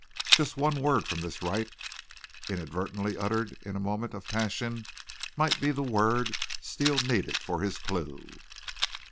Just one word from this Wright, inadvertently uttered in a moment of passion, might be the word Steele needed for his clue.